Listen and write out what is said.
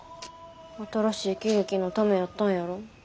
新しい喜劇のためやったんやろ。